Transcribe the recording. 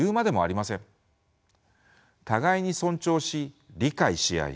互いに尊重し理解し合い